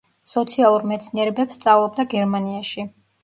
სოციალურ მეცნიერებებს სწავლობდა გერმანიაში.